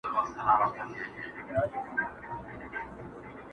په هرمجلس کي ځکه په جګ سرخوشحاله ناست یم